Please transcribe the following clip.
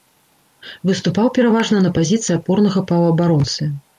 Выступаў пераважна на пазіцыі апорнага паўабаронцы.